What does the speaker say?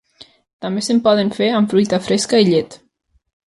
També se'n poden fer amb fruita fresca i llet.